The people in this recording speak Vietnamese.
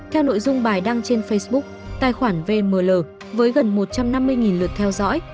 theo nội dung bài đăng trên facebook tài khoản vnl với gần một trăm năm mươi lượt theo dõi